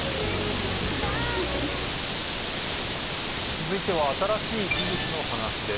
続いては新しい技術の話です。